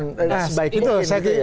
nah sebaik itu ya pak jokowi